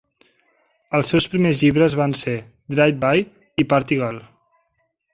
Els seus primers llibres van ser Drive-By i Party Girl.